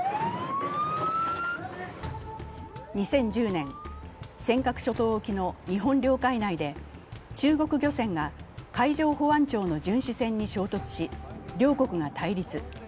２０１０年、尖閣諸島沖の日本領海内で中国漁船が海上保安庁の巡視船に衝突し、両国が対立。